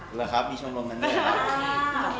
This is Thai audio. หรือครับมีชงรมนั้นเลยนะ